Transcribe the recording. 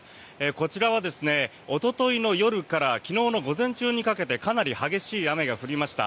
こちらはおとといの夜から昨日の午前中にかけてかなり激しい雨が降りました。